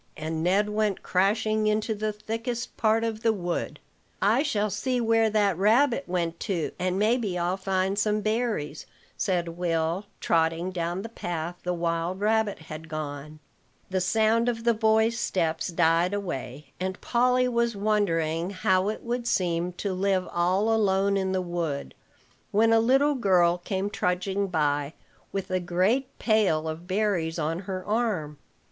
And Ned went crashing into the thickest part of the wood. "I shall see where that rabbit went to, and maybe I'll find some berries," said Will, trotting down the path the wild rabbit had gone. The sound of the boys' steps died away, and Polly was wondering how it would seem to live all alone in the wood, when a little girl came trudging by, with a great pail of berries on her arm.